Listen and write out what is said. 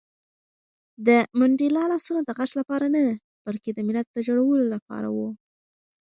د منډېلا لاسونه د غچ لپاره نه، بلکې د ملت د جوړولو لپاره وو.